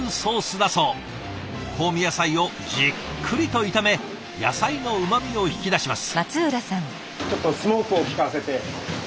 香味野菜をじっくりと炒め野菜のうまみを引き出します。